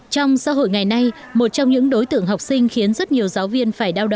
trong xã hội ngày nay một trong những đối tượng học sinh khiến rất nhiều giáo viên